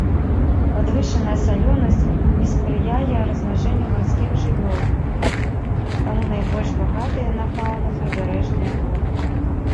Падвышаная салёнасць не спрыяе размнажэнню марскіх жывёл, таму найбольш багатыя на фаўну прыбярэжныя воды.